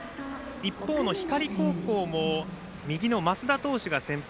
一方の光高校も右の升田投手が先発。